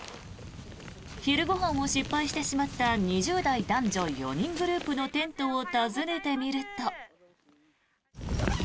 昼ご飯を失敗してしまった２０代男女４人グループのテントを訪ねてみると。